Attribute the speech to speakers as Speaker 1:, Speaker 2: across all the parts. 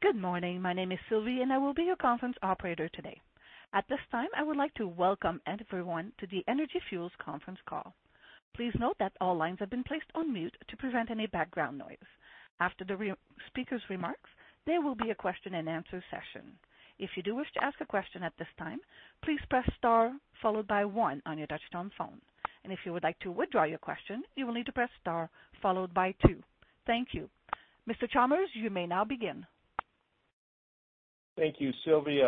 Speaker 1: Good morning. My name is Sylvie, and I will be your conference operator today. At this time, I would like to welcome everyone to the Energy Fuels conference call. Please note that all lines have been placed on mute to prevent any background noise. After the speaker's remarks, there will be a question-and-answer session. If you do wish to ask a question at this time, please press star followed by one on your touch-tone phone. And if you would like to withdraw your question, you will need to press star followed by two. Thank you. Mr. Chalmers, you may now begin.
Speaker 2: Thank you, Sylvie,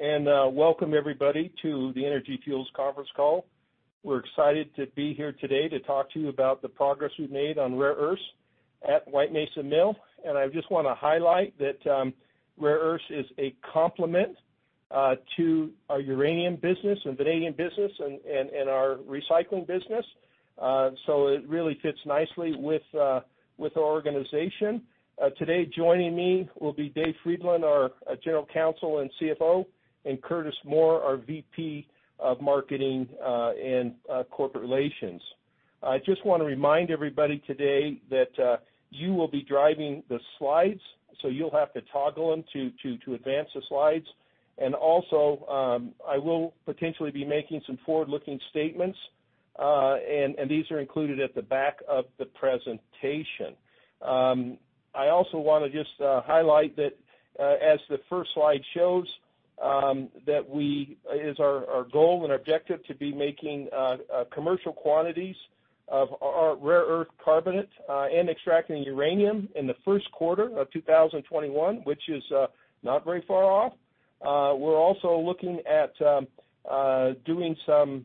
Speaker 2: and welcome everybody to the Energy Fuels conference call. We're excited to be here today to talk to you about the progress we've made on rare earths at White Mesa Mill. I just wanna highlight that rare earths is a complement to our uranium business and vanadium business and our recycling business. So, it really fits nicely with our organization. Today, joining me will be David Friedland, our General Counsel and CFO, and Curtis Moore, our VP of Marketing and Corporate Relations. I just wanna remind everybody today that you will be driving the slides, so you'll have to toggle them to advance the slides. Also, I will potentially be making some forward-looking statements, and these are included at the back of the presentation. I also wanna just highlight that, as the first slide shows, that we- it is our, our goal and objective to be making commercial quantities of our rare earth carbonate, and extracting uranium in the first quarter of 2021, which is not very far off. We're also looking at doing some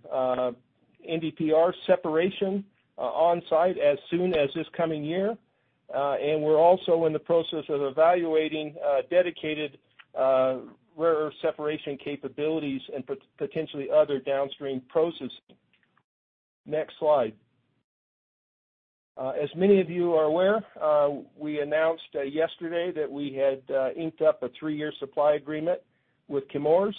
Speaker 2: NdPr separation on-site as soon as this coming year. And we're also in the process of evaluating dedicated rare earth separation capabilities and potentially other downstream processing. Next slide. As many of you are aware, we announced yesterday that we had inked up a three-year supply agreement with Chemours.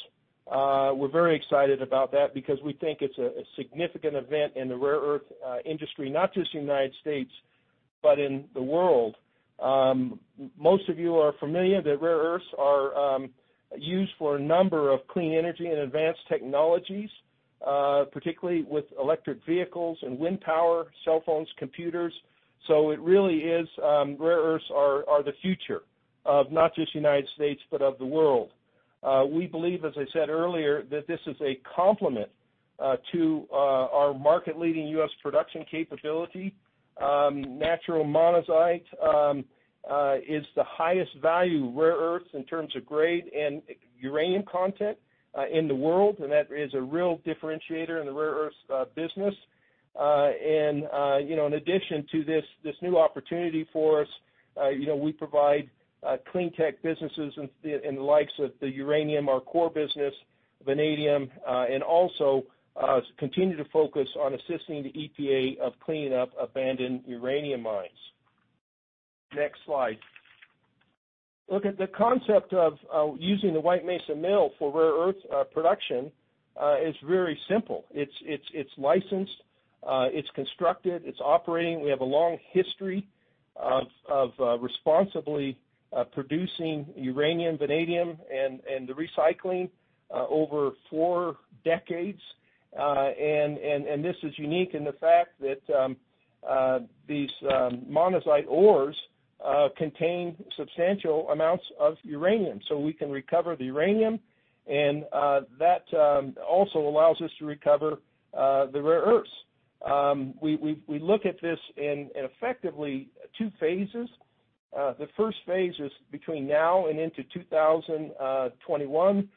Speaker 2: We're very excited about that because we think it's a significant event in the rare earth industry, not just in the United States, but in the world. Most of you are familiar that rare earths are used for a number of clean energy and advanced technologies, particularly with electric vehicles and wind power, cell phones, computers. So, it really is, rare earths are the future of not just United States, but of the world. We believe, as I said earlier, that this is a complement to our market-leading US production capability. Natural monazite is the highest value rare earths in terms of grade and uranium content in the world, and that is a real differentiator in the rare earth business. And, you know, in addition to this, this new opportunity for us, you know, we provide clean tech businesses and the, and the likes of the uranium, our core business, vanadium, and also continue to focus on assisting the EPA of cleaning up abandoned uranium mines. Next slide. Look at the concept of using the White Mesa Mill for rare earth production is very simple. It's, it's, it's licensed, it's constructed, it's operating. We have a long history of responsibly producing uranium, vanadium, and the recycling over four decades. And this is unique in the fact that these monazite ores contain substantial amounts of uranium. So, we can recover the uranium, and that also allows us to recover the rare earths. We look at this in effectively two phases. The first phase is between now and into 2021. And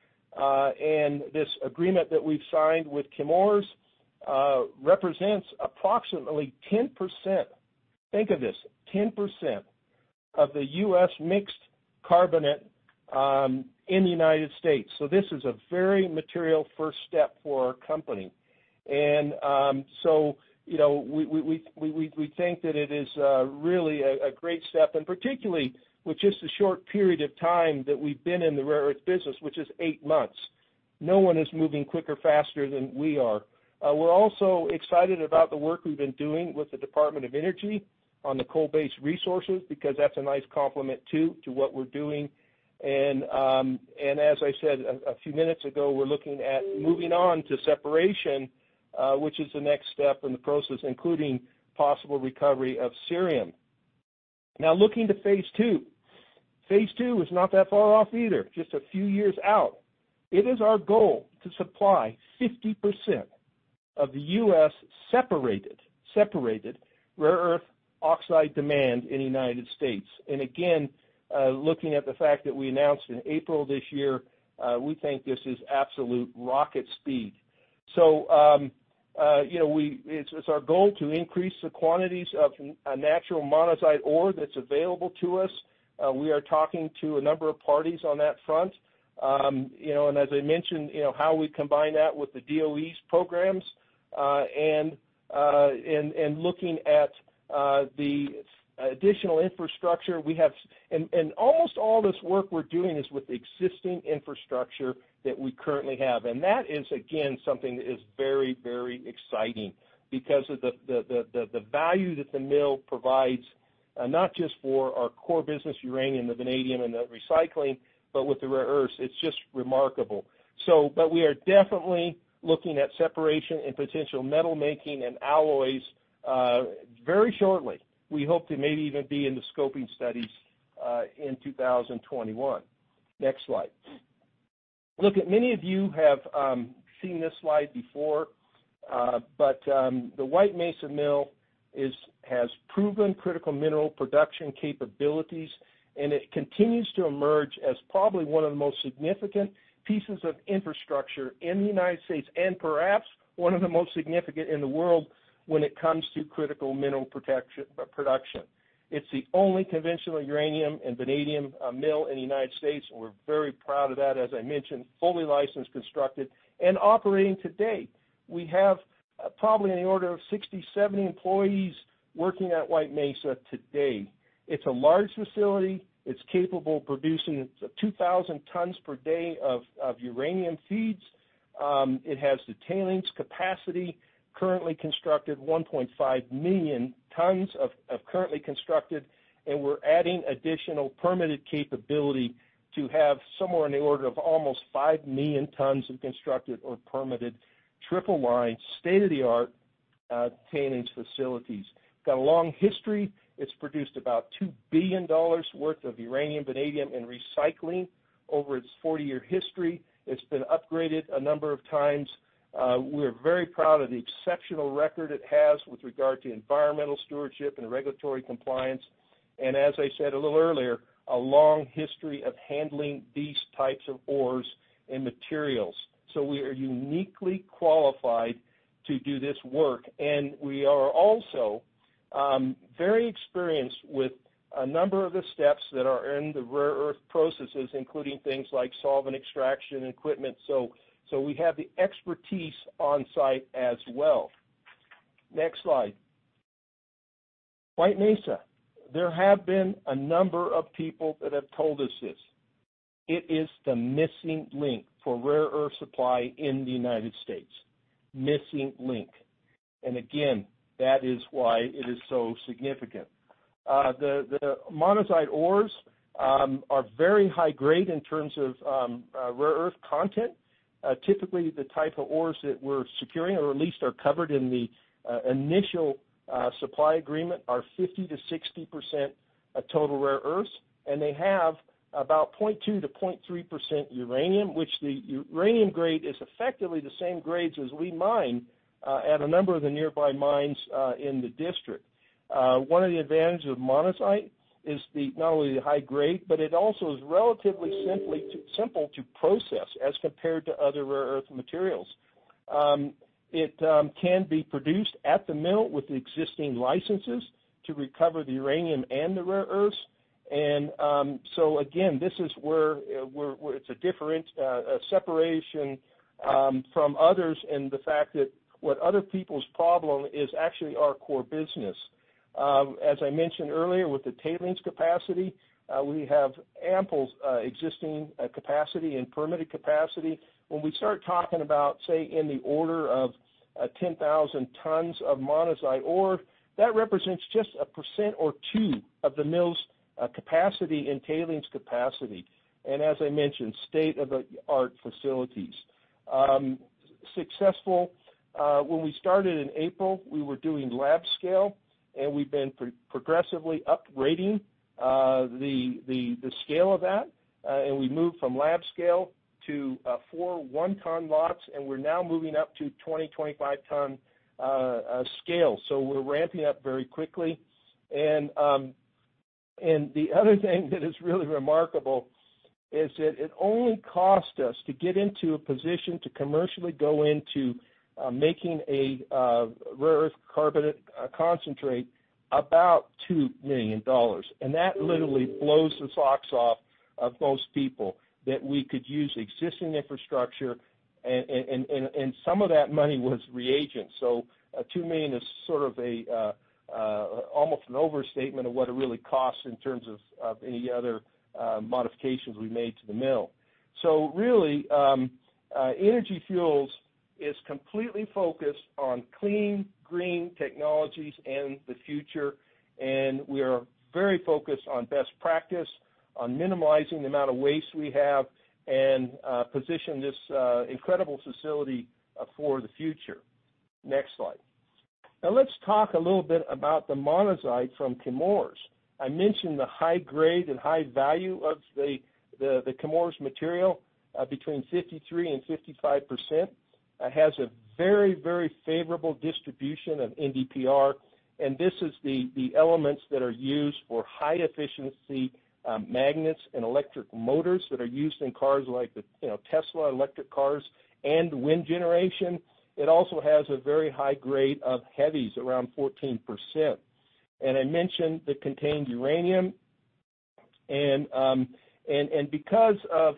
Speaker 2: this agreement that we've signed with Chemours represents approximately 10%, think of this, 10% of the U.S. mixed carbonate in the United States. So, this is a very material first step for our company. And so, you know, we think that it is really a great step, and particularly with just the short period of time that we've been in the rare earth business, which is eight months. No one is moving quicker, faster than we are. We're also excited about the work we've been doing with the Department of Energy on the coal-based resources, because that's a nice complement, too, to what we're doing. As I said a few minutes ago, we're looking at moving on to separation, which is the next step in the process, including possible recovery of cerium. Now, looking to phase two. Phase two is not that far off either, just a few years out. It is our goal to supply 50% of the U.S. separated rare earth oxide demand in the United States. And again, looking at the fact that we announced in April this year, we think this is absolute rocket speed. So, you know, it's our goal to increase the quantities of a natural monazite ore that's available to us. We are talking to a number of parties on that front. You know, and as I mentioned, you know, how we combine that with the DOE's programs, and looking at the additional infrastructure we have. Almost all this work we're doing is with the existing infrastructure that we currently have, and that is, again, something that is very, very exciting because of the value that the mill provides. Not just for our core business, uranium, the vanadium, and the recycling, but with the rare earths, it's just remarkable. So, but we are definitely looking at separation and potential metal making and alloys, very shortly. We hope to maybe even be in the scoping studies, in 2021. Next slide. Look, many of you have seen this slide before, but the White Mesa Mill has proven critical mineral production capabilities, and it continues to emerge as probably one of the most significant pieces of infrastructure in the United States, and perhaps one of the most significant in the world when it comes to critical mineral production. It's the only conventional uranium and vanadium mill in the United States, and we're very proud of that. As I mentioned, fully licensed, constructed, and operating today. We have probably in the order of 60, 70 employees working at White Mesa today. It's a large facility. It's capable of producing 2,000 tons per day of uranium feeds. It has the tailings capacity, currently constructed 1.5 million tons of currently constructed, and we're adding additional permitted capability to have somewhere in the order of almost 5 million tons of constructed or permitted triple-lined, state-of-the-art, tailings facilities. Got a long history. It's produced about $2 billion worth of uranium, vanadium, and recycling over its 40-year history. It's been upgraded a number of times. We're very proud of the exceptional record it has with regard to environmental stewardship and regulatory compliance, and as I said a little earlier, a long history of handling these types of ores and materials. So, we are uniquely qualified to do this work, and we are also very experienced with a number of the steps that are in the rare earth processes, including things like solvent extraction and equipment. So, we have the expertise on site as well. Next slide. White Mesa, there have been a number of people that have told us this: it is the missing link for rare earth supply in the United States. Missing link. Again, that is why it is so significant. The monazite ores are very high grade in terms of rare earth content. Typically, the type of ores that we're securing, or at least are covered in the initial supply agreement, are 50%-60% of total rare earths, and they have about 0.2%-0.3% uranium, which the uranium grade is effectively the same grades as we mine at a number of the nearby mines in the district. One of the advantages of monazite is, not only the high grade, but it also is relatively simple to process as compared to other rare earth materials. It can be produced at the mill with the existing licenses to recover the uranium and the rare earths. And so again, this is where it's a different separation from others, and the fact that what other people's problem is actually our core business. As I mentioned earlier, with the tailing's capacity, we have ample existing capacity and permitted capacity. When we start talking about, say, in the order of 10,000 tons of monazite ore, that represents just 1% or 2% of the mill's capacity and tailings capacity, and as I mentioned, state-of-the-art facilities. Successful, when we started in April, we were doing lab scale, and we've been progressively uprating the scale of that, and we moved from lab scale to four 1-ton lots, and we're now moving up to 20–25-ton scale. So, we're ramping up very quickly. And the other thing that is really remarkable is that it only cost us to get into a position to commercially go into making a rare earth carbonate concentrate about $2 million. And that literally blows the socks off of most people, that we could use existing infrastructure and some of that money was reagent. So, two million is sort of a, almost an overstatement of what it really costs in terms of, of any other, modifications we made to the mill. So really, Energy Fuels is completely focused on clean, green technologies and the future, and we are very focused on best practice, on minimizing the amount of waste we have, and position this, incredible facility, for the future. Next slide. Now, let's talk a little bit about the monazite from Chemours. I mentioned the high grade and high value of the, the Chemours material, between 53% and 55%. It has a very, very favorable distribution of NdPr, and this is the, the elements that are used for high efficiency, magnets and electric motors that are used in cars like the, you know, Tesla electric cars and wind generation. It also has a very high grade of heavies, around 14%. I mentioned it contained uranium. And because of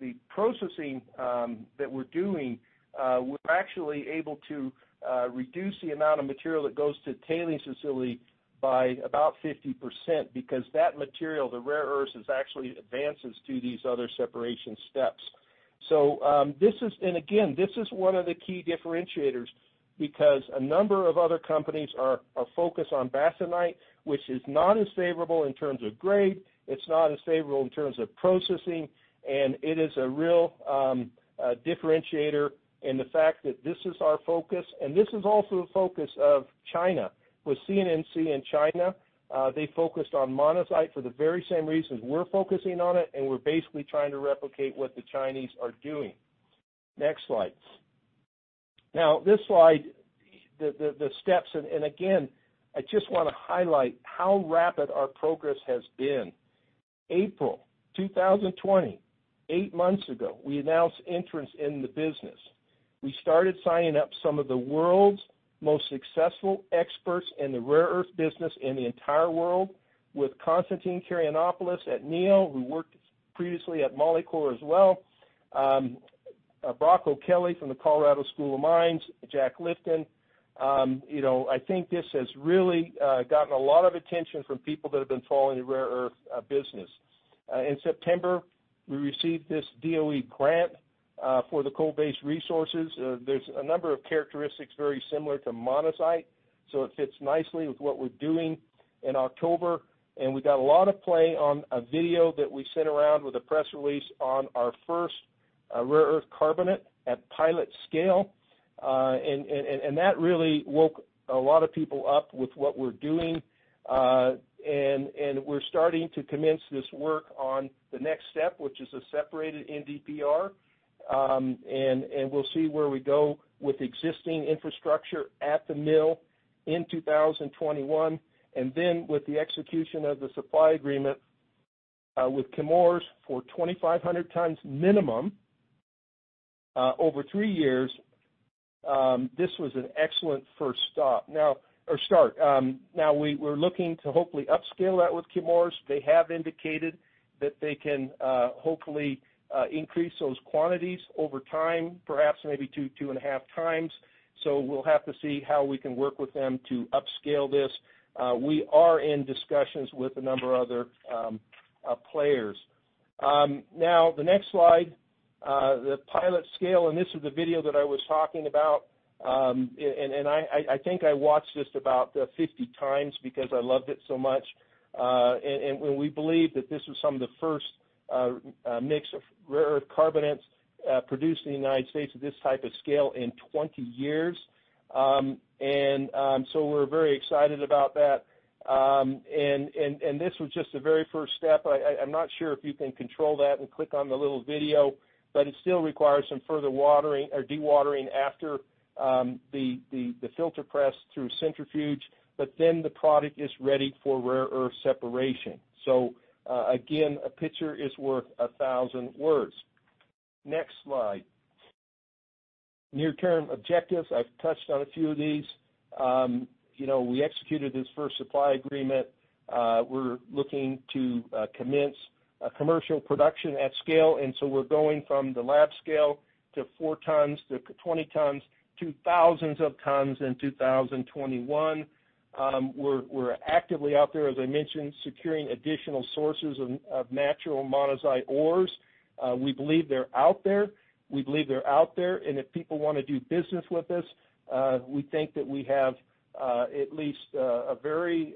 Speaker 2: the processing that we're doing, we're actually able to reduce the amount of material that goes to the tailing's facility by about 50%, because that material, the rare earths, is actually advances to these other separation steps. So, this is, and again, this is one of the key differentiators because a number of other companies are focused on bastnaesite, which is not as favorable in terms of grade, it's not as favorable in terms of processing, and it is a real differentiator in the fact that this is our focus, and this is also the focus of China. With CNNC in China, they focused on monazite for the very same reasons we're focusing on it, and we're basically trying to replicate what the Chinese are doing. Next slide. Now, this slide, the steps, and again, I just wanna highlight how rapid our progress has been. April 2020, eight months ago, we announced entrance in the business. We started signing up some of the world's most successful experts in the rare earth business in the entire world, with Constantine Karayannopoulos at Neo, who worked previously at Molycorp as well, Brock O'Kelley from the Colorado School of Mines, Jack Lifton. You know, I think this has really gotten a lot of attention from people that have been following the rare earth business. In September, we received this DOE grant for the coal-based resources. There's a number of characteristics very similar to monazite, so it fits nicely with what we're doing in October. And we got a lot of play on a video that we sent around with a press release on our first rare earth carbonate at pilot scale. And that really woke a lot of people up with what we're doing. And we're starting to commence this work on the next step, which is a separated NdPr. And we'll see where we go with existing infrastructure at the mill in 2021, and then with the execution of the supply agreement with Chemours for 2,500 tonnes minimum over three years, this was an excellent first step-or start. Now we're looking to hopefully upscale that with Chemours. They have indicated that they can, hopefully, increase those quantities over time, perhaps maybe 2, 2.5 times. So, we'll have to see how we can work with them to upscale this. We are in discussions with a number of other players. Now, the next slide, the pilot scale, and this is the video that I was talking about. I think I watched this about 50 times because I loved it so much. We believe that this was some of the first mix of rare earth carbonate produced in the United States at this type of scale in 20 years. So, we're very excited about that. This was just the very first step. I'm not sure if you can control that and click on the little video, but it still requires some further watering or dewatering after the filter press through centrifuge, but then the product is ready for rare earth separation. So, again, a picture is worth 1,000 words. Next slide. Near-term objectives, I've touched on a few of these. You know, we executed this first supply agreement. We're looking to commence a commercial production at scale, and so we're going from the lab scale to 4 tons, to 20 tons, to thousands of tons in 2021. We're actively out there, as I mentioned, securing additional sources of natural monazite ores. We believe they're out there. We believe they're out there, and if people wanna do business with us, we think that we have at least a very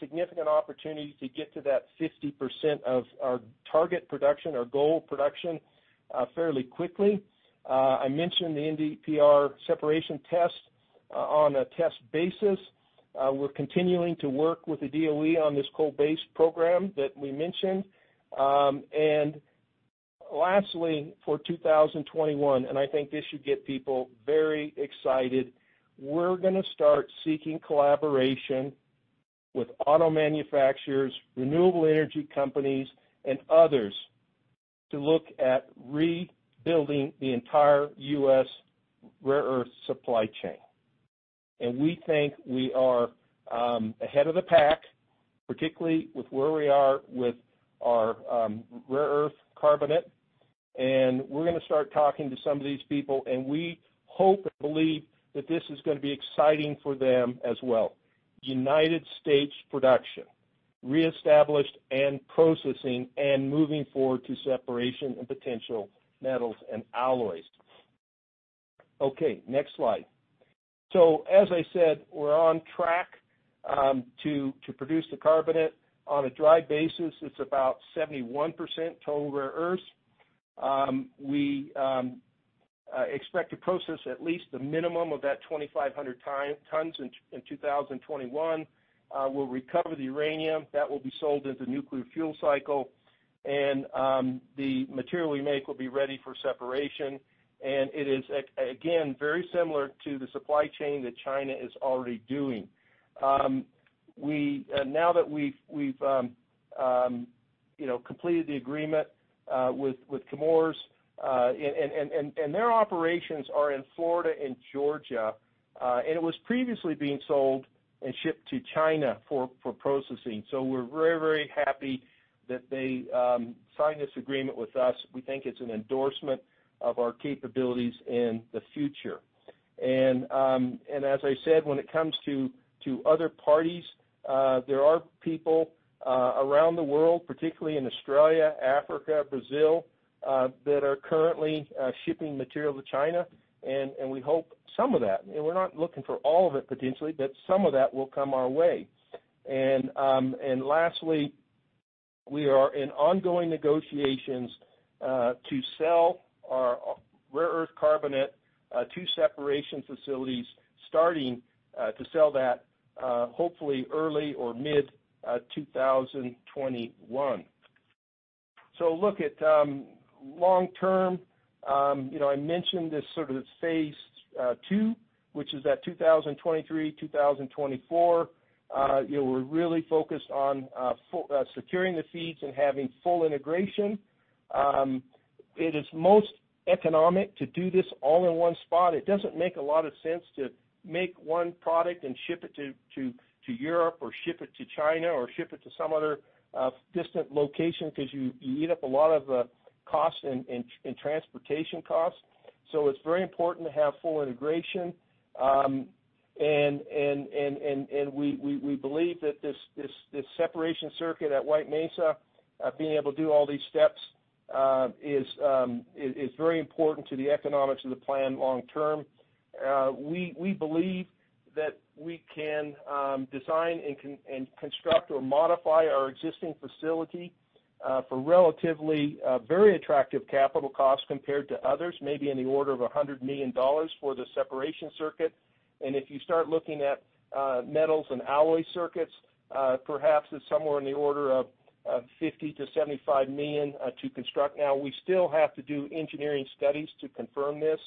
Speaker 2: significant opportunity to get to that 50% of our target production, our goal production, fairly quickly. I mentioned the NdPr separation test. On a test basis, we're continuing to work with the DOE on this coal-based program that we mentioned. And lastly, for 2021, and I think this should get people very excited, we're gonna start seeking collaboration with auto manufacturers, renewable energy companies, and others to look at rebuilding the entire U.S. rare earth supply chain. And we think we are ahead of the pack, particularly with where we are with our rare earth carbonate. And we're gonna start talking to some of these people, and we hope and believe that this is gonna be exciting for them as well. United States production, reestablished and processing and moving forward to separation of potential metals and alloys. Okay, next slide. So, as I said, we're on track to produce the carbonate. On a dry basis, it's about 71% total rare earths. We expect to process at least a minimum of that 2,500 tons in 2021. We'll recover the uranium, that will be sold into nuclear fuel cycle, and the material we make will be ready for separation. And it is again very similar to the supply chain that China is already doing. Now that we've, you know, completed the agreement with Chemours, and their operations are in Florida and Georgia, and it was previously being sold and shipped to China for processing. So we're very, very happy that they signed this agreement with us. We think it's an endorsement of our capabilities in the future. And as I said, when it comes to other parties, there are people around the world, particularly in Australia, Africa, Brazil, that are currently shipping material to China, and we hope some of that, and we're not looking for all of it potentially, but some of that will come our way. Lastly, we are in ongoing negotiations to sell our rare earth carbonate to separation facilities, starting to sell that hopefully early or mid-2021. So, look at long term. You know, I mentioned this sort of phase two, which is at 2023-2024. You know, we're really focused on fully securing the feeds and having full integration. It is most economic to do this all-in-one spot. It doesn't make a lot of sense to make one product and ship it to Europe or ship it to China, or ship it to some other distant location, because you eat up a lot of the costs and transportation costs. So, it's very important to have full integration. We believe that this separation circuit at White Mesa, being able to do all these steps, is very important to the economics of the plan long term. We believe that we can design and construct or modify our existing facility for relatively very attractive capital costs compared to others, maybe in the order of $100 million for the separation circuit. And if you start looking at metals and alloy circuits, perhaps it's somewhere in the order of $50 million-$75 million to construct. Now, we still have to do engineering studies to confirm this,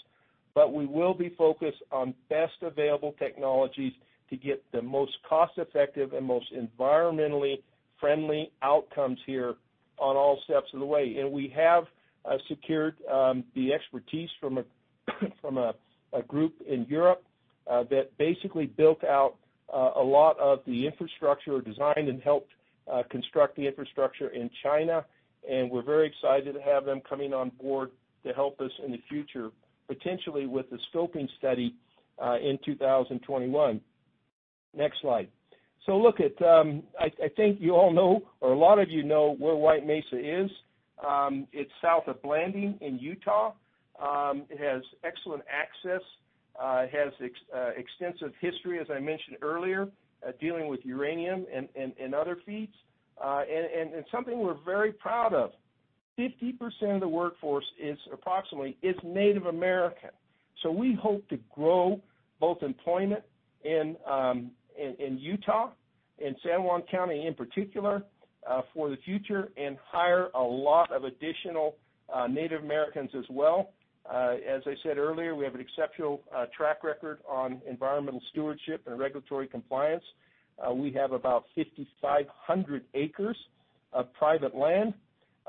Speaker 2: but we will be focused on best available technologies to get the most cost-effective and most environmentally friendly outcomes here on all steps of the way. We have secured the expertise from a group in Europe that basically built out a lot of the infrastructure or designed and helped construct the infrastructure in China, and we're very excited to have them coming on board to help us in the future, potentially with the scoping study in 2021. Next slide. Look at, I think you all know, or a lot of you know where White Mesa is. It's south of Blanding in Utah. It has excellent access. It has extensive history, as I mentioned earlier, dealing with uranium and other feeds. And something we're very proud of, 50% of the workforce is approximately Native American. So, we hope to grow both employment in Utah, and San Juan County in particular, for the future, and hire a lot of additional Native Americans as well. As I said earlier, we have an exceptional track record on environmental stewardship and regulatory compliance. We have about 5,500 acres of private land.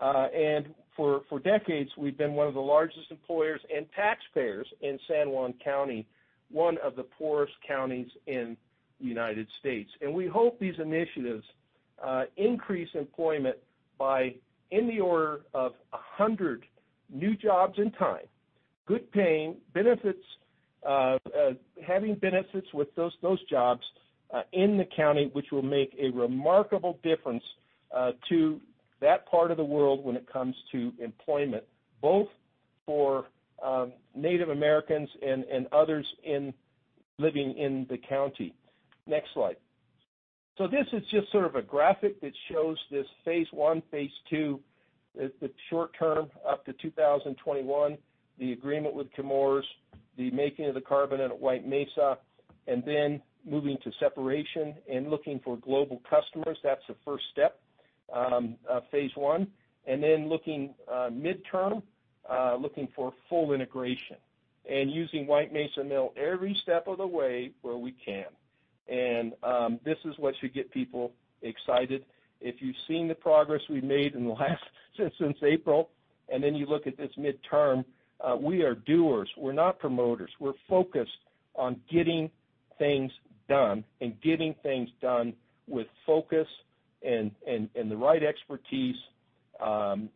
Speaker 2: And for decades, we've been one of the largest employers and taxpayers in San Juan County, one of the poorest counties in the United States. And we hope these initiatives, increase employment by in the order of 100 new jobs in time, good paying, benefits, having benefits with those, those jobs, in the county, which will make a remarkable difference, to that part of the world when it comes to employment, both for, Native Americans and, and others living in the county. Next slide. So this is just sort of a graphic that shows this phase one, phase two, the short term up to 2021, the agreement with Chemours, the making of the carbonate at White Mesa, and then moving to separation and looking for global customers. That's the first step, phase one, and then looking, midterm, looking for full integration and using White Mesa Mill every step of the way where we can. And this is what should get people excited. If you've seen the progress we've made in the last since April, and then you look at this midterm, we are doers. We're not promoters. We're focused on getting things done and getting things done with focus and the right expertise, and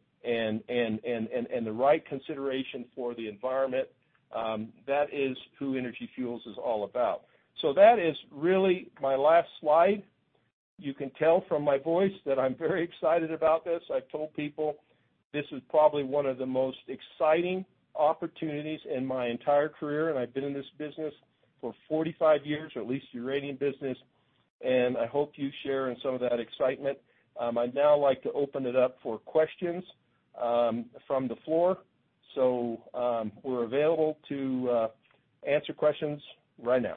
Speaker 2: the right consideration for the environment, that is who Energy Fuels is all about. So that is really my last slide. You can tell from my voice that I'm very excited about this. I've told people this is probably one of the most exciting opportunities in my entire career, and I've been in this business for 45 years, or at least the uranium business, and I hope you share in some of that excitement. I'd now like to open it up for questions from the floor. We're available to answer questions right now.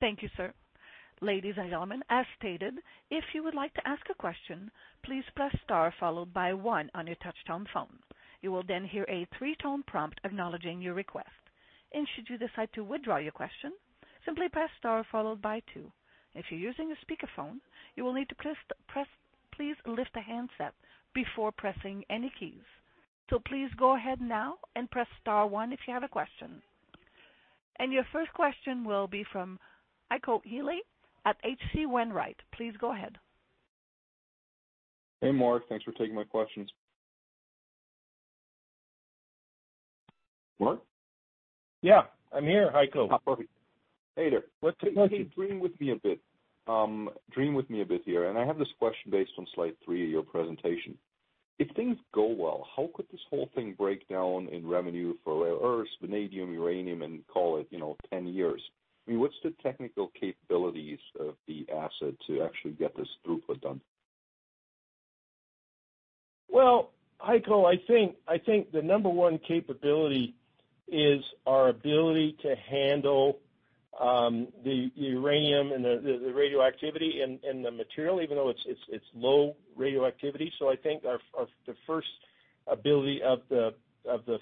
Speaker 1: Thank you, sir. Ladies and gentlemen, as stated, if you would like to ask a question, please press star followed by 1 on your touchtone phone. You will then hear a 3-tone prompt acknowledging your request, and should you decide to withdraw your question, simply press star followed by 2. If you're using a speakerphone, you will need to press, please lift the handset before pressing any keys. So please go ahead now and press star 1 if you have a question. And your first question will be from Heiko Ihle at H.C. Wainwright. Please go ahead.
Speaker 3: Hey, Mark, thanks for taking my questions. Mark?
Speaker 2: Yeah, I'm here, Heiko.
Speaker 3: Ah, perfect. Hey there.
Speaker 2: Thank you.
Speaker 3: Dream with me a bit, dream with me a bit here, and I have this question based on slide three of your presentation. If things go well, how could this whole thing break down in revenue for rare earths, vanadium, uranium, and call it, you know, 10 years? I mean, what's the technical capabilities of the asset to actually get this throughput done?
Speaker 2: Well, Heiko, I think, I think the number one capability is our ability to handle the uranium and the radioactivity and the material, even though it's low radioactivity. So, I think the first ability of the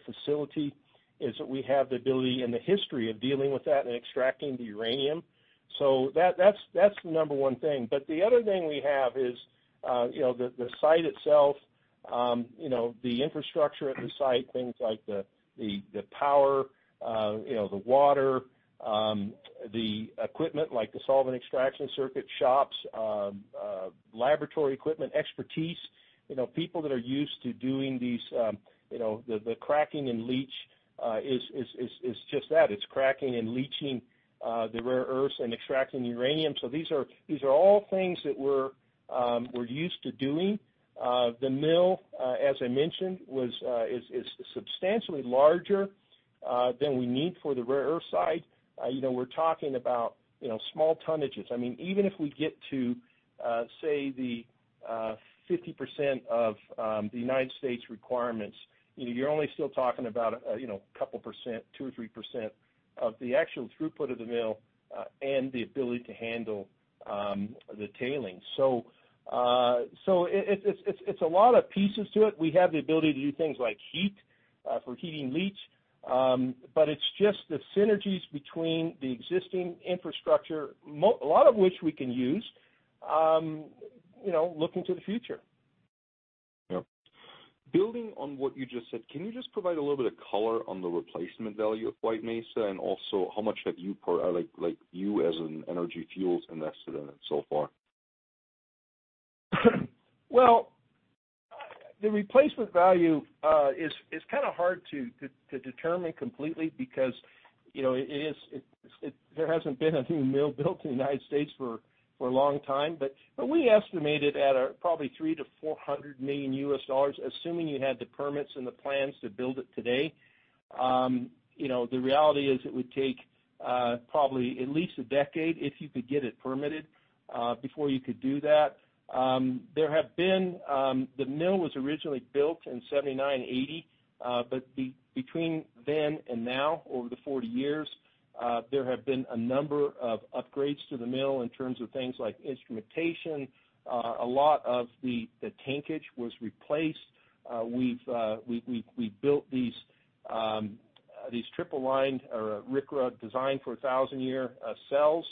Speaker 2: facility is that we have the ability and the history of dealing with that and extracting the uranium. So that's the number one thing. But the other thing we have is, you know, the site itself, you know, the infrastructure at the site, things like the power, you know, the water, the equipment, like the solvent extraction circuit shops, laboratory equipment expertise, you know, people that are used to doing these, you know, the cracking and leaching is just that. It's cracking and leaching the rare earths and extracting uranium. So, these are, these are all things that we're, we're used to doing. The mill, as I mentioned, was, is, is substantially larger than we need for the rare earth side. You know, we're talking about, you know, small tonnages. I mean, even if we get to, say, the 50% of the United States requirements, you know, you're only still talking about, you know, a couple percent, 2%-3% of the actual throughput of the mill, and the ability to handle the tailings. So, so it, it's, it's, it's a lot of pieces to it. We have the ability to do things like heat for heating leach, but it's just the synergies between the existing infrastructure, a lot of which we can use, you know, looking to the future.
Speaker 3: Yep. Building on what you just said, can you just provide a little bit of color on the replacement value of White Mesa, and also how much have you, like, you as an Energy Fuels invested in it so far?
Speaker 2: Well, the replacement value is kind of hard to determine completely because, you know, there hasn't been a new mill built in the United States for a long time. But we estimate it at probably $300 million-$400 million, assuming you had the permits and the plans to build it today. You know, the reality is it would take probably at least a decade, if you could get it permitted before you could do that. There have been... The mill was originally built in 1979, 1980, but between then and now, over the 40 years, there have been a number of upgrades to the mill in terms of things like instrumentation. A lot of the tankage was replaced. We've built these triple-lined, or RCRA, designed-for-a-1,000-year cells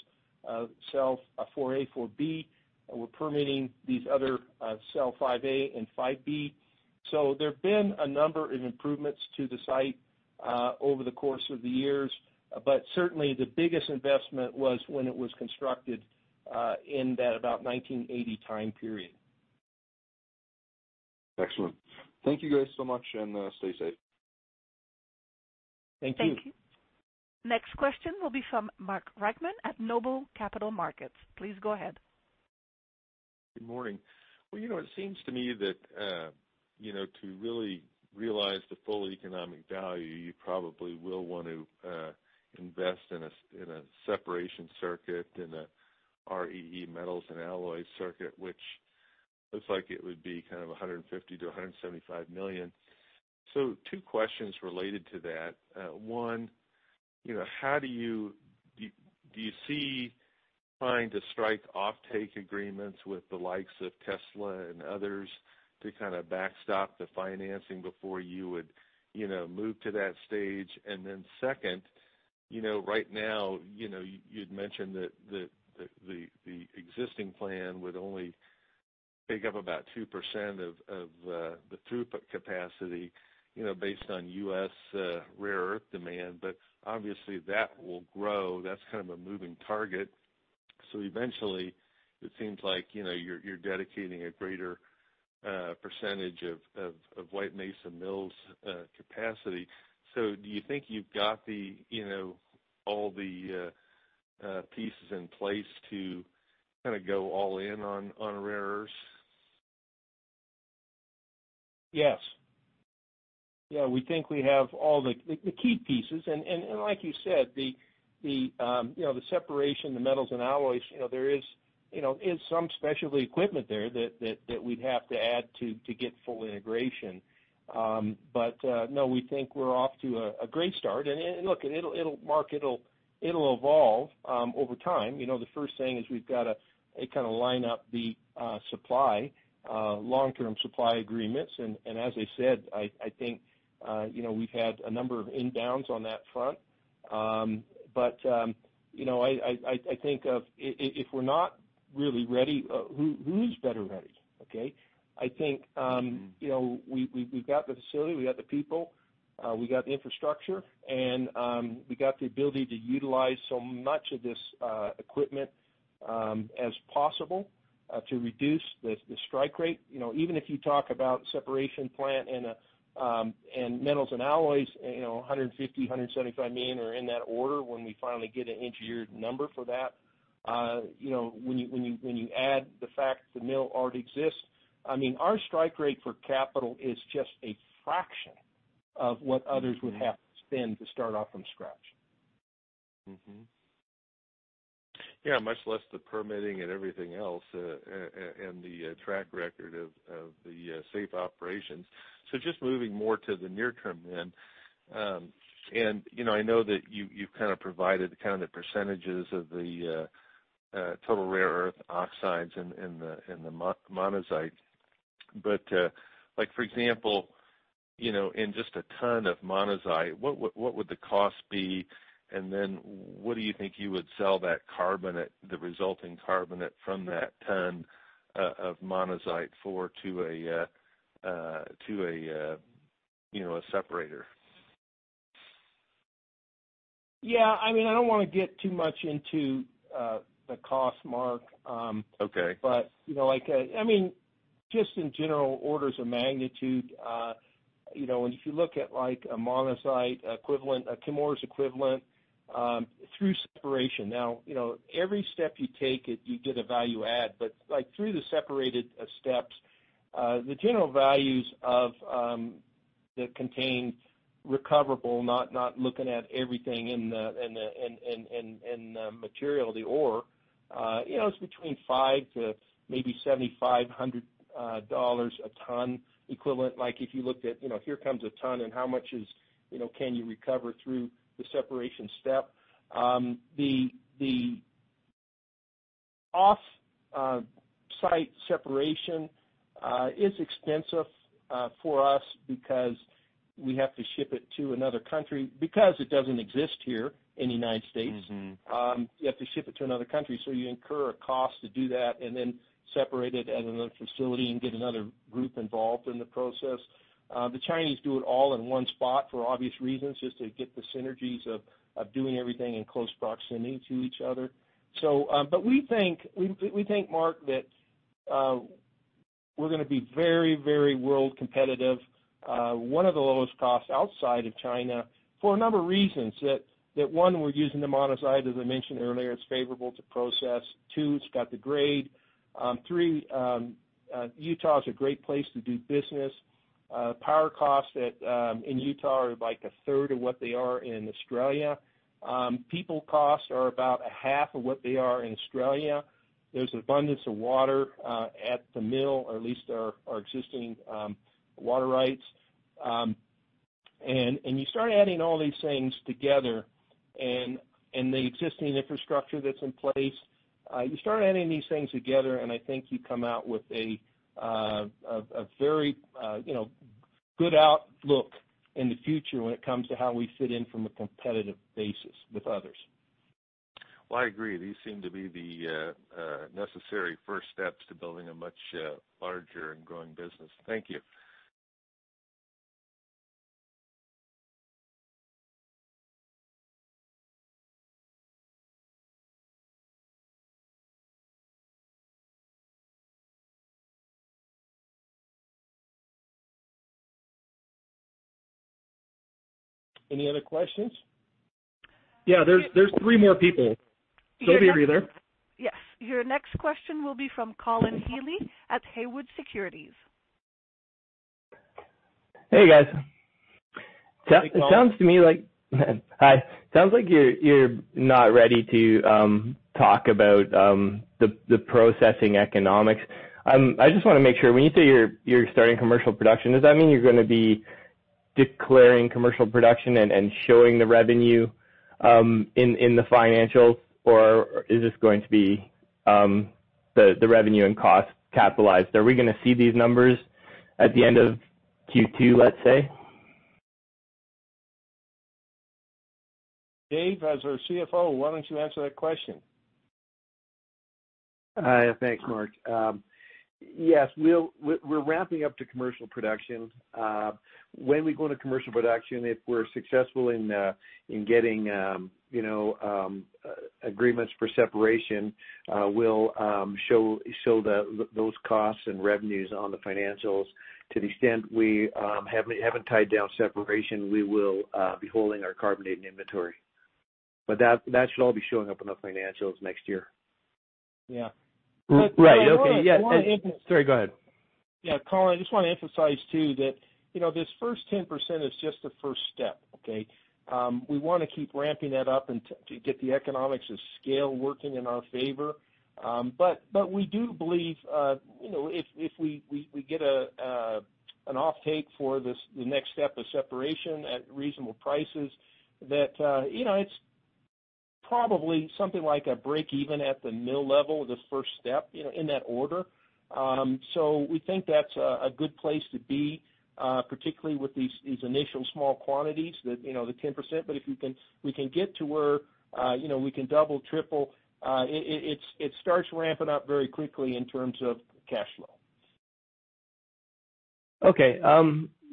Speaker 2: 4A, 4B, and we're permitting these other cell 5A and 5B. So there have been a number of improvements to the site over the course of the years, but certainly, the biggest investment was when it was constructed in that about 1980 time period.
Speaker 3: Excellent. Thank you guys so much, and, stay safe.
Speaker 2: Thank you.
Speaker 1: Thank you. Next question will be from Mark Reichman at Noble Capital Markets. Please go ahead.
Speaker 4: Good morning. Well, you know, it seems to me that, you know, to really realize the full economic value, you probably will want to invest in a, in a separation circuit, in a REE metals and alloys circuit, which looks like it would be kind of $150 million-$175 million. So, 2 questions related to that. One, you know, how do you... do you see trying to strike offtake agreements with the likes of Tesla and others to kind of backstop the financing before you would, you know, move to that stage? And then second, you know, right now, you know, you'd mentioned that the existing plan would only take up about 2% of, of the throughput capacity, you know, based on U.S., rare earth demand, but obviously that will grow. That's kind of a moving target. So eventually, it seems like, you know, you're dedicating a greater percentage of White Mesa Mill's capacity. So, do you think you've got the, you know, all the pieces in place to kind of go all in on rare earths?
Speaker 2: Yes. Yeah, we think we have all the key pieces, and like you said, you know, the separation, the metals and alloys, you know, there is some specialty equipment there that we'd have to add to get full integration. But no, we think we're off to a great start. And look, it'll Mark, it'll evolve over time. You know, the first thing is we've got to kind of line up the supply long-term supply agreements. And as I said, I think you know, we've had a number of inbounds on that front. But you know, I think if we're not really ready, who who's better ready, okay? I think. You know, we've got the facility, we've got the people. We got the infrastructure, and we got the ability to utilize so much of this equipment as possible to reduce the strike rate. You know, even if you talk about separation plant and metals and alloys, you know, $150-$175 million are in that order when we finally get an engineered number for that. You know, when you add the fact, the mill already exists, I mean, our strike rate for capital is just a fraction of what others would have to spend to start off from scratch.
Speaker 4: Mm-hmm. Yeah, much less the permitting and everything else, and the track record of the safe operations. So just moving more to the near term then, and, you know, I know that you, you've kind of provided kind of the percentages of the total rare earth oxides and the monazite. But, like, for example, you know, in just a ton of monazite, what would the cost be? And then what do you think you would sell that carbonate, the resulting carbonate from that ton of monazite for, to a, you know, a separator?
Speaker 2: Yeah, I mean, I don't wanna get too much into the cost, Mark.
Speaker 4: Okay.
Speaker 2: But, you know, like, I mean, just in general orders of magnitude, you know, and if you look at like a monazite equivalent, a kimberlite equivalent, through separation. Now, you know, every step you take, you get a value add, but, like, through the separated steps, the general values of that contain recoverable, not looking at everything in the material, the ore, you know, it's between $5-$7,500 a ton equivalent. Like, if you looked at, you know, here comes a ton, and how much is, you know, can you recover through the separation step? The off-site separation is expensive for us because we have to ship it to another country, because it doesn't exist here in the United States. You have to ship it to another country, so you incur a cost to do that, and then separate it at another facility and get another group involved in the process. The Chinese do it all in one spot for obvious reasons, just to get the synergies of doing everything in close proximity to each other. So, but we think, Mark, that we're gonna be very, very world competitive. One of the lowest costs outside of China for a number of reasons, 1, we're using the monazite, as I mentioned earlier, it's favorable to process. 2, it's got the grade. 3, Utah is a great place to do business. Power costs in Utah are, like, a 3rd of what they are in Australia. People costs are about a half of what they are in Australia. There's an abundance of water at the mill, or at least our existing water rights. And you start adding all these things together, and the existing infrastructure that's in place, you start adding these things together, and I think you come out with a very, you know, good outlook in the future when it comes to how we fit in from a competitive basis with others.
Speaker 4: Well, I agree. These seem to be the necessary first steps to building a much larger and growing business. Thank you.
Speaker 2: Any other questions?
Speaker 5: Yeah, there's, there's three more people. They'll be with you there.
Speaker 1: Yes. Your next question will be from Colin Healey at Haywood Securities.
Speaker 6: Hey, guys.
Speaker 2: Hey, Colin.
Speaker 6: Sounds like you're not ready to talk about the processing economics. I just wanna make sure when you say you're starting commercial production, does that mean you're gonna be declaring commercial production and showing the revenue in the financials, or is this going to be the revenue and cost capitalized? Are we gonna see these numbers at the end of Q2, let's say?
Speaker 2: Dave, as our CFO, why don't you answer that question?
Speaker 7: Thanks, Mark. Yes, we're ramping up to commercial production. When we go into commercial production, if we're successful in getting, you know, agreements for separation, we'll show those costs and revenues on the financials. To the extent we haven't tied down separation, we will be holding our carbonate in inventory. But that should all be showing up in the financials next year.
Speaker 2: Yeah.
Speaker 6: Right. Okay. Yeah-
Speaker 7: Sorry, go ahead.
Speaker 2: Yeah, Colin, I just want to emphasize, too, that, you know, this first 10% is just the first step, okay? We wanna keep ramping that up and to get the economies of scale working in our favor. But we do believe, you know, if we get an offtake for this, the next step of separation at reasonable prices, that, you know, it's probably something like a break even at the mill level, the first step, you know, in that order. So, we think that's a good place to be, particularly with these initial small quantities that, you know, the 10%. But if we can get to where, you know, we can double, triple it, it starts ramping up very quickly in terms of cash flow.
Speaker 6: Okay.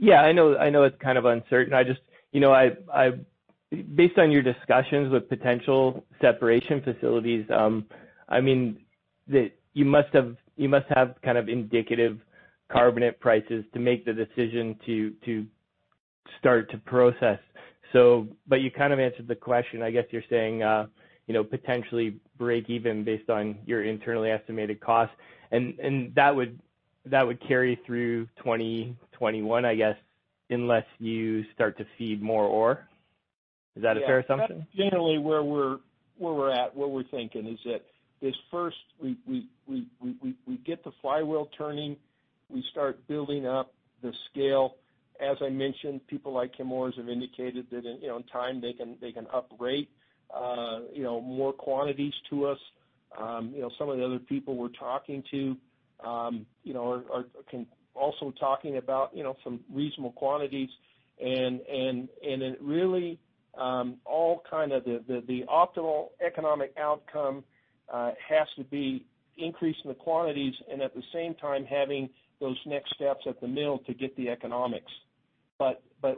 Speaker 6: Yeah, I know, I know it's kind of uncertain. I just, you know, based on your discussions with potential separation facilities, I mean, you must have, you must have kind of indicative carbonate prices to make the decision to start to process. So, but you kind of answered the question. I guess you're saying, you know, potentially break even based on your internally estimated costs, and that would, that would carry through 2021, I guess, unless you start to feed more ore? Is that a fair assumption?
Speaker 2: Yeah, that's generally where we're at, where we're thinking, is that this first we get the flywheel turning, we start building up the scale. As I mentioned, people like Chemours have indicated that, you know, in time they can uprate, you know, more quantities to us. You know, some of the other people we're talking to, you know, are also talking about, you know, some reasonable quantities, and it really all kind of the optimal economic outcome has to be increasing the quantities and at the same time having those next steps at the mill to get the economics.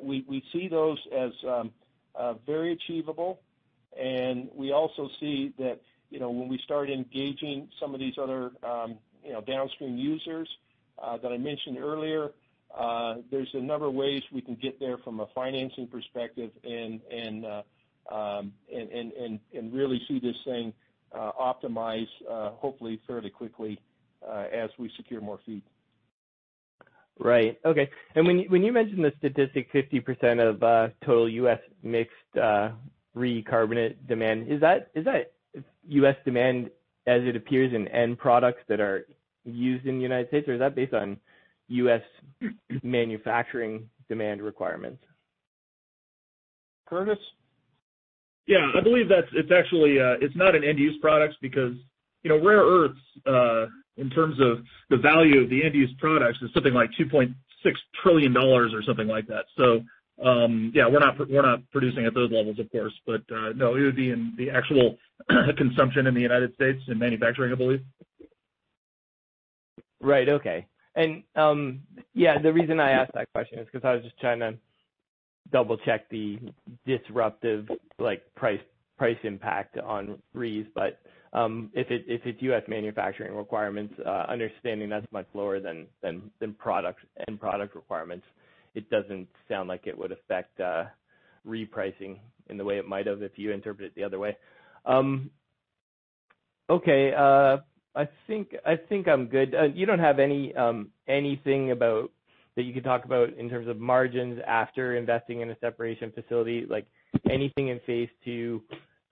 Speaker 2: We see those as very achievable, and we also see that, you know, when we start engaging some of these other, you know, downstream users that I mentioned earlier, there's a number of ways we can get there from a financing perspective and really see this thing optimize, hopefully fairly quickly, as we secure more feed.
Speaker 6: Right. Okay. And when you, when you mentioned the statistic 50% of total U.S. mixed rare earth carbonate demand, is that U.S. demand as it appears in end products that are used in the United States, or is that based on U.S. manufacturing demand requirements?
Speaker 2: Curtis?
Speaker 5: Yeah, I believe that's, it's actually, it's not an end use product because, you know, rare earths, in terms of the value of the end use products, is something like $2.6 trillion or something like that. So, yeah, we're not, we're not producing at those levels, of course, but, no, it would be in the actual consumption in the United States in manufacturing, I believe.
Speaker 6: Right. Okay. And, yeah, the reason I asked that question is because I was just trying to double check the disruptive, like, price, price impact on REE. But, if it's, if it's U.S. manufacturing requirements, understanding that's much lower than, than, than products and product requirements, it doesn't sound like it would affect, repricing in the way it might have if you interpret it the other way. Okay, I think I'm good. You don't have anything about that you can talk about in terms of margins after investing in a separation facility? Like, anything in phase two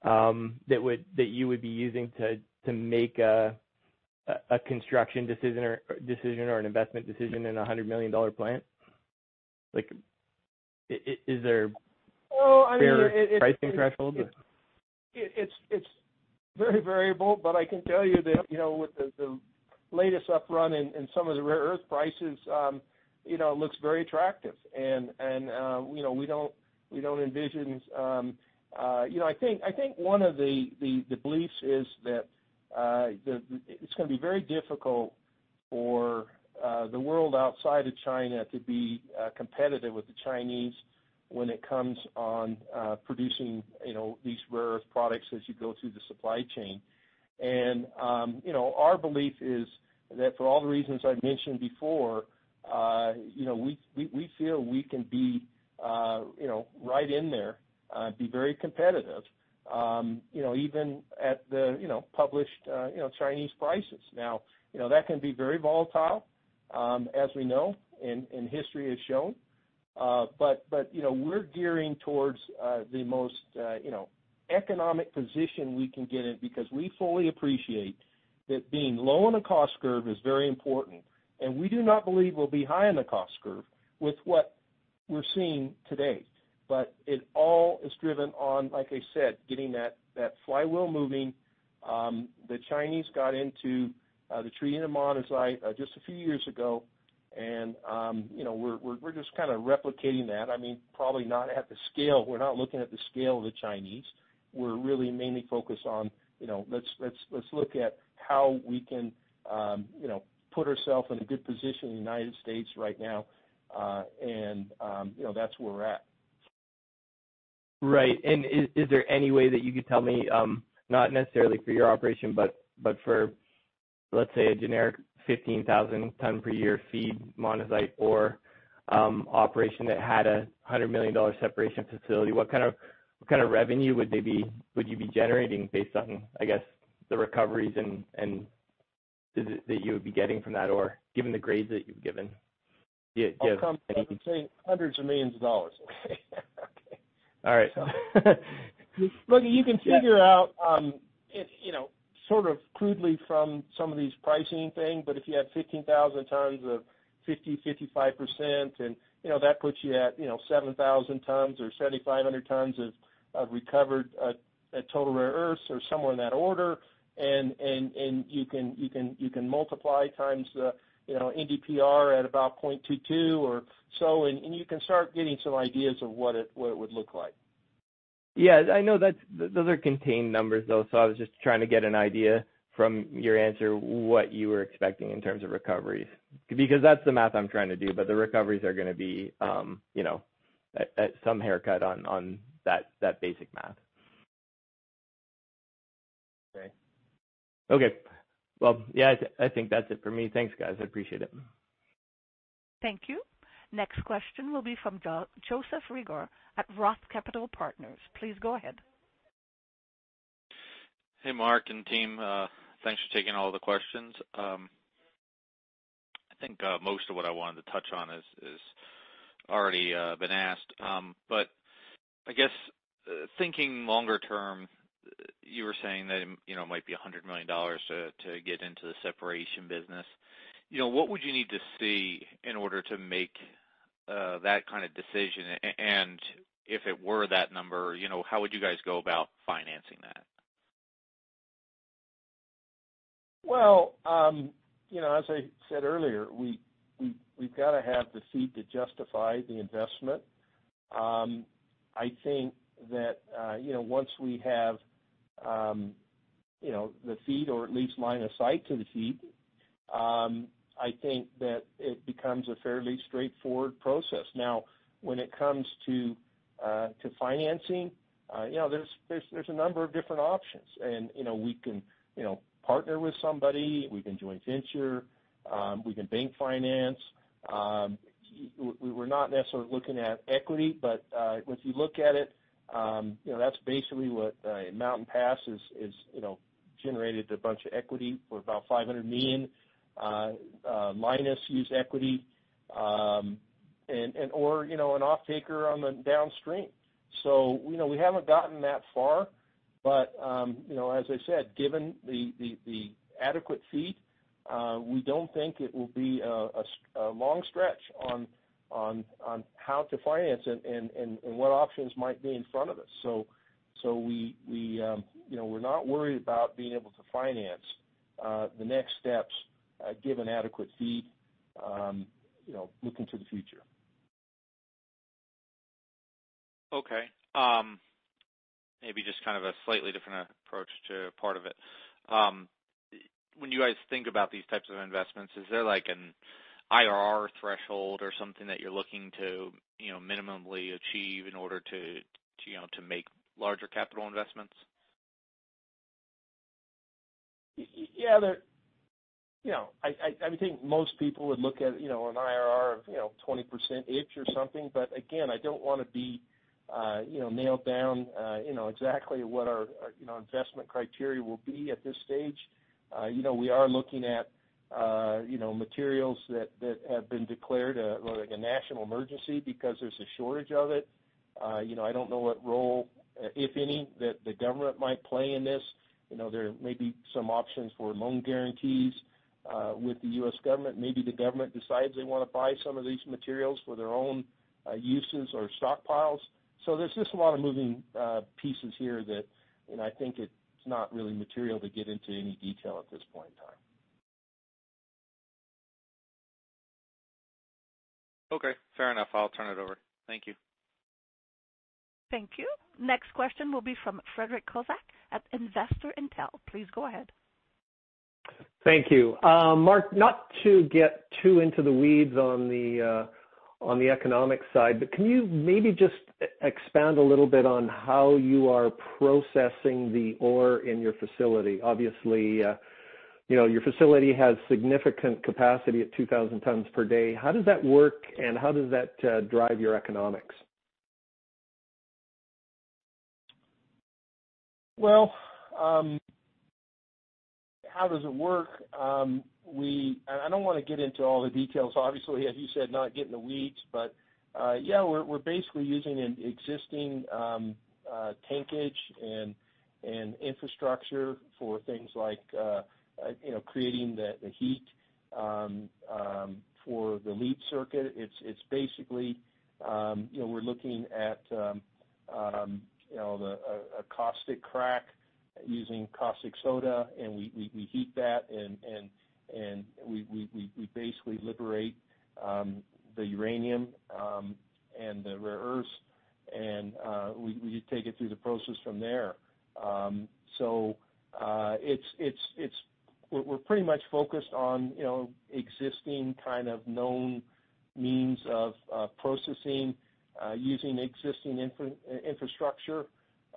Speaker 6: that you would be using to make a construction decision or an investment decision in a $100 million plant? Like, is there-
Speaker 2: Well, I mean-
Speaker 6: pricing threshold?
Speaker 2: It's very variable, but I can tell you that, you know, with the latest uprun in some of the rare earth prices, you know, it looks very attractive. You know, we don't envision... You know, I think one of the beliefs is that it's gonna be very difficult for the world outside of China to be competitive with the Chinese when it comes to producing, you know, these rare earth products as you go through the supply chain. You know, our belief is that for all the reasons I've mentioned before, you know, we feel we can be, you know, right in there, be very competitive, you know, even at the published Chinese prices. Now, you know, that can be very volatile, as we know, and history has shown. But you know, we're gearing towards the most you know economic position we can get in, because we fully appreciate that being low on the cost curve is very important, and we do not believe we'll be high on the cost curve with what we're seeing today. But it all is driven on, like I said, getting that flywheel moving. The Chinese got into the trihydrate monazite just a few years ago, and you know, we're just kind of replicating that. I mean, probably not at the scale. We're not looking at the scale of the Chinese. We're really mainly focused on, you know, let's look at how we can, you know, put ourselves in a good position in the United States right now. And you know, that's where we're at.
Speaker 6: Right. Is there any way that you could tell me, not necessarily for your operation, but for, let's say, a generic 15,000 ton per year feed monazite ore operation that had a $100 million separation facility, what kind of revenue would they be- would you be generating based on, I guess, the recoveries and that you would be getting from that ore, given the grades that you've given? Yeah, yeah.
Speaker 2: I would say $100 of millions.
Speaker 6: Okay. All right.
Speaker 2: Look, you can figure out, you know, sort of crudely from some of these pricing things, but if you had 15,000 tons of 50-55%, and, you know, that puts you at, you know, 7,000 tons or 7,500 tons of recovered at total rare earths or somewhere in that order. And you can multiply times the, you know, NdPr at about 0.22 or so, and you can start getting some ideas of what it would look like.
Speaker 6: Yeah, I know that's those are contained numbers, though, so I was just trying to get an idea from your answer, what you were expecting in terms of recoveries. Because that's the math I'm trying to do, but the recoveries are gonna be, you know, at some haircut on that basic math. Okay. Okay, well, yeah, I think that's it for me. Thanks, guys. I appreciate it.
Speaker 1: Thank you. Next question will be from Joseph Reagor at Roth Capital Partners. Please go ahead.
Speaker 8: Hey, Mark and team, thanks for taking all the questions. I think most of what I wanted to touch on has, has already been asked. But I guess, thinking longer term, you were saying that, you know, it might be $100 million to get into the separation business. You know, what would you need to see in order to make that kind of decision? And if it were that number, you know, how would you guys go about financing that?
Speaker 2: Well, you know, as I said earlier, we, we've gotta have the feed to justify the investment. I think that, you know, once we have, you know, the feed or at least line of sight to the feed, I think that it becomes a fairly straightforward process. Now, when it comes to, to financing, you know, there's a number of different options. You know, we can, you know, partner with somebody, we can joint venture, we can bank finance. We're not necessarily looking at equity, but, if you look at it, you know, that's basically what Mountain Pass is, you know, generated a bunch of equity for about $500 million in U.S. equity, and, or, you know, an offtaker on the downstream. So, you know, we haven't gotten that far, but, you know, as I said, given the adequate feed, we don't think it will be a long stretch on how to finance it and what options might be in front of us. So, we, you know, we're not worried about being able to finance the next steps, given adequate feed, you know, looking to the future.
Speaker 8: Okay. Maybe just kind of a slightly different approach to part of it. When you guys think about these types of investments, is there like an IRR threshold or something that you're looking to, you know, minimally achieve in order to, you know, to make larger capital investments?
Speaker 2: Yeah. You know, I think most people would look at, you know, an IRR of, you know, 20%-ish or something, but again, I don't wanna be, you know, nailed down, you know, exactly what our, you know, investment criteria will be at this stage. You know, we are looking at, you know, materials that have been declared a, like, a national emergency because there's a shortage of it. You know, I don't know what role, if any, that the government might play in this. You know, there may be some options for loan guarantees with the U.S. government. Maybe the government decides they wanna buy some of these materials for their own uses or stockpiles. So there's just a lot of moving pieces here that, and I think it's not really material to get into any detail at this point in time.
Speaker 8: Okay, fair enough. I'll turn it over. Thank you.
Speaker 1: Thank you. Next question will be from Frederick Kozak at InvestorIntel. Please go ahead.
Speaker 9: Thank you. Mark, not to get too into the weeds on the, on the economic side, but can you maybe just expand a little bit on how you are processing the ore in your facility? Obviously, you know, your facility has significant capacity at 2,000 tons per day. How does that work, and how does that drive your economics?
Speaker 2: Well, how does it work? And I don't wanna get into all the details. Obviously, as you said, not get in the weeds, but, yeah, we're basically using an existing tankage and infrastructure for things like, you know, creating the heat for the leach circuit. It's basically, you know, we're looking at a caustic crack using caustic soda, and we heat that, and we basically liberate the uranium and the rare earths, and we take it through the process from there. So, it's-- We're pretty much focused on, you know, existing kind of known means of processing using existing infrastructure.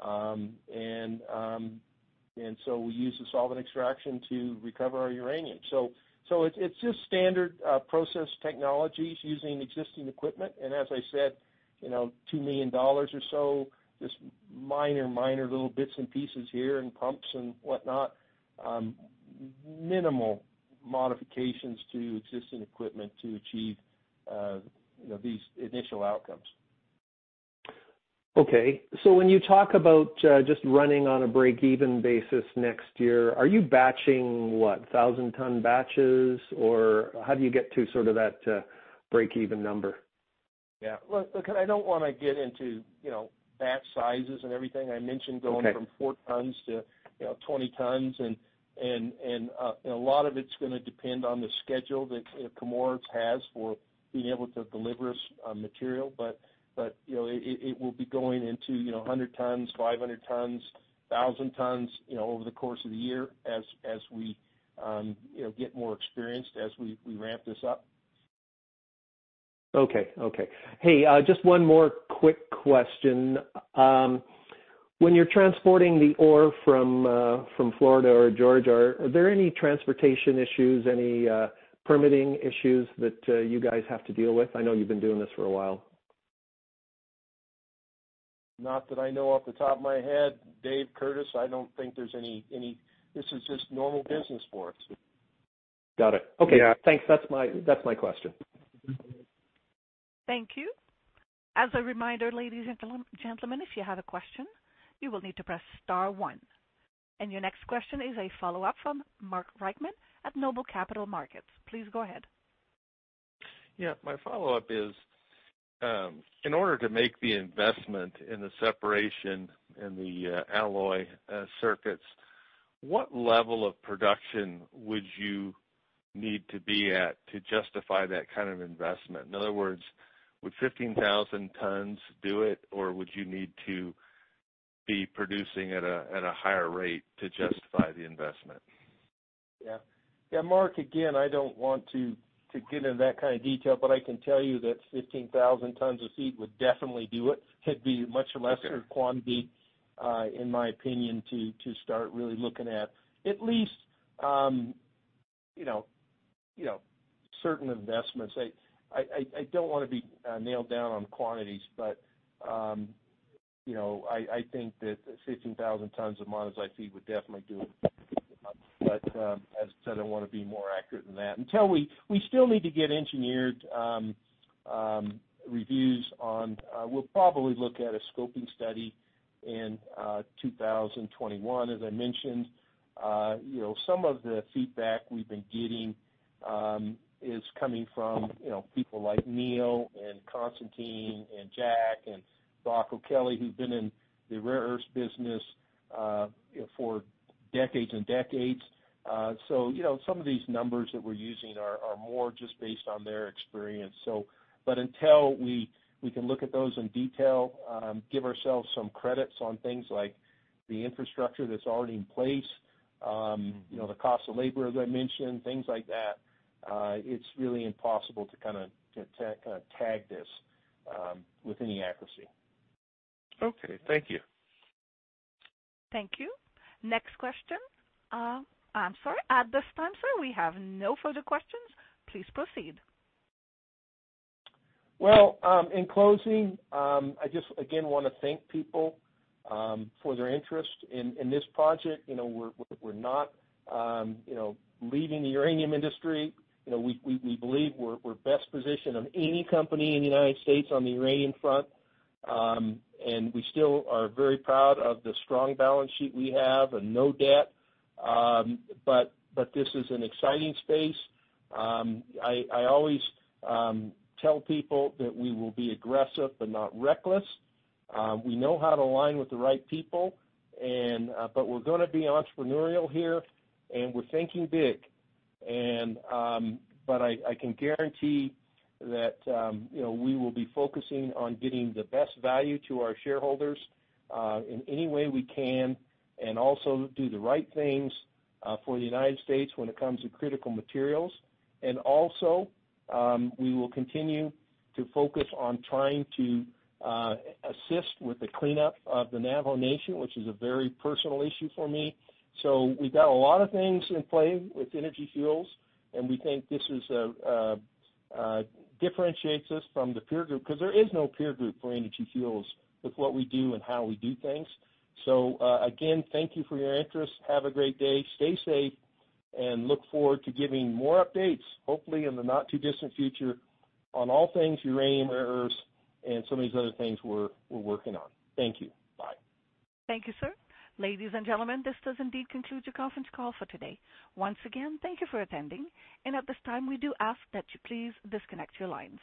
Speaker 2: and, and so we use the solvent extraction to recover our uranium. So, so it's, it's just standard, process technologies using existing equipment. And as I said, you know, $2 million or so, just minor, minor little bits and pieces here and pumps and whatnot. minimal modifications to existing equipment to achieve, you know, these initial outcomes.
Speaker 9: Okay. So, when you talk about just running on a break-even basis next year, are you batching, what, 1,000-ton batches, or how do you get to sort of that break-even number?...
Speaker 2: Yeah. Look, look, I don't wanna get into, you know, batch sizes and everything. I mentioned-
Speaker 9: Okay.
Speaker 2: going from 4 tons to, you know, 20 tons, and a lot of its gonna depend on the schedule that Chemours has for being able to deliver us material. But, you know, it will be going into, you know, 100 tons, 500 tons, 1,000 tons, you know, over the course of the year as we get more experienced, as we ramp this up.
Speaker 9: Okay, okay. Hey, just one more quick question. When you're transporting the ore from Florida or Georgia, are there any transportation issues, any permitting issues that you guys have to deal with? I know you've been doing this for a while.
Speaker 2: Not that I know off the top of my head. Dave, Curtis, I don't think there's any. This is just normal business for us.
Speaker 9: Got it.
Speaker 2: Yeah.
Speaker 9: Okay, thanks. That's my, that's my question.
Speaker 1: Thank you. As a reminder, ladies and gentlemen, if you have a question, you will need to press star one. And your next question is a follow-up from Mark Reichman at Noble Capital Markets. Please go ahead.
Speaker 4: Yeah, my follow-up is, in order to make the investment in the separation and the alloy circuits, what level of production would you need to be at to justify that kind of investment? In other words, would 15,000 tons do it, or would you need to be producing at a higher rate to justify the investment?
Speaker 2: Yeah. Yeah, Mark, again, I don't want to get into that kind of detail, but I can tell you that 15,000 tons of feed would definitely do it. It'd be much lesser quantity, in my opinion, to start really looking at, at least, you know, certain investments. I don't wanna be nailed down on quantities, but, you know, I think that 15,000 tons of monazite feed would definitely do it. But, as I said, I wanna be more accurate than that. Until we still need to get engineered reviews on. We'll probably look at a scoping study in 2021, as I mentioned. You know, some of the feedback we've been getting is coming from, you know, people like Neo and Constantine and Jack and Brock O'Kelley, who've been in the rare earth business, you know, for decades and decades. So you know, some of these numbers that we're using are more just based on their experience, so. But until we can look at those in detail, give ourselves some credits on things like the infrastructure that's already in place. You know, the cost of labor, as I mentioned, things like that, it's really impossible to kind of tag this with any accuracy.
Speaker 4: Okay. Thank you.
Speaker 1: Thank you. Next question. I'm sorry, at this time, sir, we have no further questions. Please proceed.
Speaker 2: Well, in closing, I just again wanna thank people for their interest in this project. You know, we're not leaving the uranium industry. You know, we believe we're best positioned of any company in the United States on the uranium front. And we still are very proud of the strong balance sheet we have and no debt. But this is an exciting space. I always tell people that we will be aggressive but not reckless. We know how to align with the right people and, but we're gonna be entrepreneurial here, and we're thinking big. But I can guarantee that, you know, we will be focusing on getting the best value to our shareholders in any way we can, and also do the right things for the United States when it comes to critical materials. Also, we will continue to focus on trying to assist with the cleanup of the Navajo Nation, which is a very personal issue for me. So, we've got a lot of things in play with Energy Fuels, and we think this differentiates us from the peer group, because there is no peer group for Energy Fuels with what we do and how we do things. So, again, thank you for your interest. Have a great day, stay safe, and look forward to giving more updates, hopefully, in the not-too-distant future on all things uranium, rare earths, and some of these other things we're working on. Thank you. Bye.
Speaker 1: Thank you, sir. Ladies and gentlemen, this does indeed conclude your conference call for today. Once again, thank you for attending, and at this time, we do ask that you please disconnect your lines.